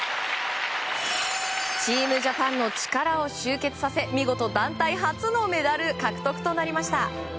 チームジャパンの力を集結させ見事団体初のメダル獲得となりました。